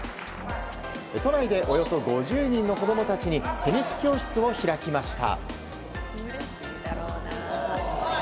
都内でおよそ５０人の子供たちにテニス教室を開きました。